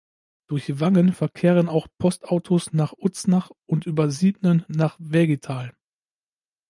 Durch Wangen verkehren auch Postautos nach Uznach und über Siebnen nach Wägital.